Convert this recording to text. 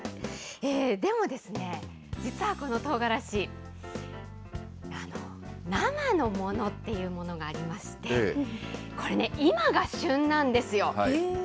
でもですね、実はこのとうがらし、生のものっていうものがありまして、これね、今が旬なんですよ。